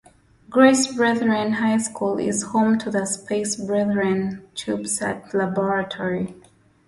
Grace Brethren High School is home to the Space Brethren Cubesat Laboratory.